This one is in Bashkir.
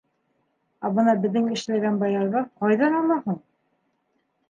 Ә бына беҙҙең эшләгән баярҙар ҡайҙан ала һуң?